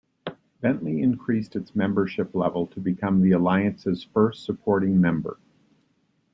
Bentley increased its membership level to become the Alliance's first supporting member.